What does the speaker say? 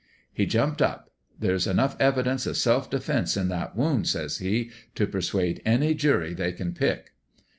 " He jumped up. ' There's enough evidence of self defense in that wound,' says he, ' to per suade any jury they can pick.'